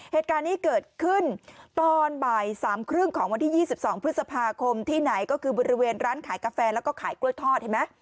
เหตุการณ์นี้เกิดขึ้นตอนบ่าย๓๓๐ของวันที่๒๒พฤษภาคมที่ไหนก็คือบริเวณร้านขายกาแฟแล้วก็ขายกล้วยทอดเห็นไหม